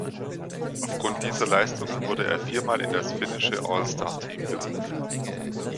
Aufgrund dieser Leistungen wurde er vier Mal in das finnische All-Star-Team berufen.